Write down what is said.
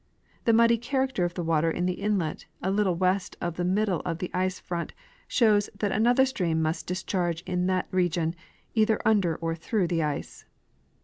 The muddy character of the water in the inlet a little west of the middle of the ice front shows that another stream must discharge in that region, either under or through the ice.